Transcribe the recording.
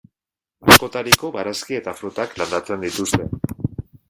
Askotariko barazki eta frutak landatzen dituzte.